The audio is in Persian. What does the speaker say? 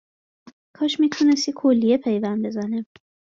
کاش می تونست یه کلیه پیوند بزنه